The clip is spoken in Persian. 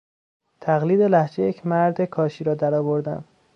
تقلید لهجهی یک مرد کاشی را درآوردن